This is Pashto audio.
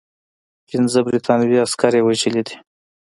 پنځه برټانوي عسکر یې وژلي دي.